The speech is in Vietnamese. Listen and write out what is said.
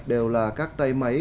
đều là các tay máy